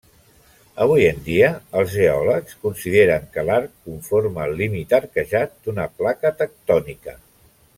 Avui en dia, els geòlegs consideren que l'arc conforma el límit arquejat d'una placa tectònica.